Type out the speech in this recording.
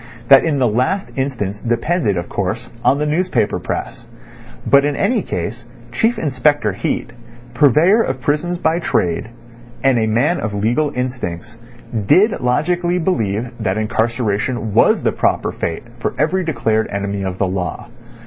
That in the last instance depended, of course, on the newspaper press. But in any case, Chief Inspector Heat, purveyor of prisons by trade, and a man of legal instincts, did logically believe that incarceration was the proper fate for every declared enemy of the law.